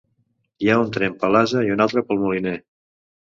Hi ha un temps per l'ase i un altre pel moliner.